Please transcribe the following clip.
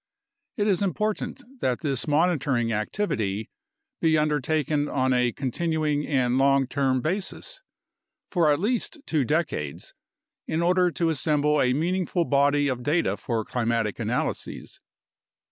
It is important that this monitoring activity be undertaken on a continuing and long term basis for at least two decades in order to assemble a meaningful body of data for climatic analyses.